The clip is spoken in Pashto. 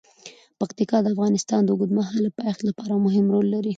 پکتیا د افغانستان د اوږدمهاله پایښت لپاره مهم رول لري.